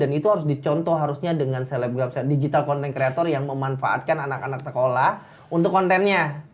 dan itu harus dicontoh harusnya dengan digital content creator yang memanfaatkan anak anak sekolah untuk kontennya